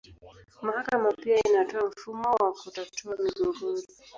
Mahakama pia inatoa mfumo wa kutatua migogoro.